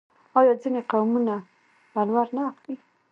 آیا ځینې قومونه ولور نه اخلي؟